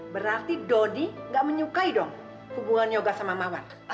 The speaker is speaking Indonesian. berarti doni nggak menyukai dong hubungan yoga sama mawar